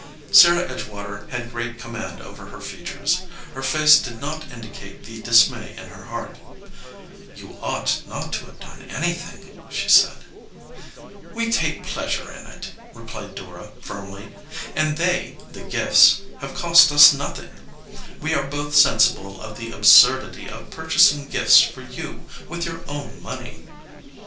* Sarah Edgewater had great command over her features. Her face did not indicate the dismay in her heart. "You ought not to have done any thing," she said. "We take pleasure in it," replied Dora, firmly, "and they the gifts have cost us nothing. We 93 EDGEWATER PEOPLE are both sensible of the absurdity of purchasing gifts for you with your own money."